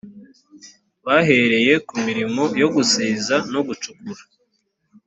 bahereye ku mirimo yo gusiza no gucukura